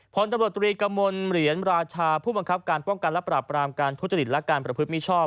พลตำรวจตรีกระมวลเหรียญราชาผู้บังคับการป้องกันและปราบรามการทุจริตและการประพฤติมิชอบ